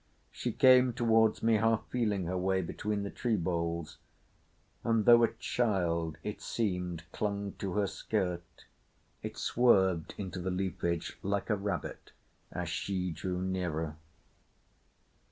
She came towards me, half feeling her way between the tree boles, and though a child it seemed clung to her skirt, it swerved into the leafage like a rabbit as she drew nearer.